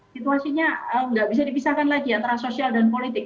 situasinya nggak bisa dipisahkan lagi antara sosial dan politik